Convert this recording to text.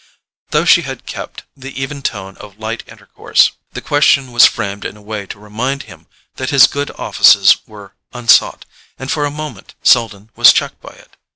Though she kept the even tone of light intercourse, the question was framed in a way to remind him that his good offices were unsought; and for a moment Selden was checked by it.